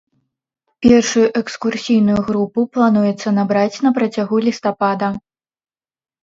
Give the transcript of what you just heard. Першую экскурсійную групу плануецца набраць на працягу лістапада.